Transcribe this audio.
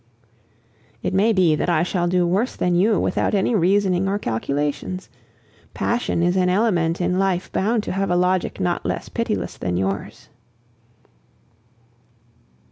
It may be that I shall do worse than you without any reasoning or calculations. Passion is an element in life bound to have a logic not less pitiless than yours.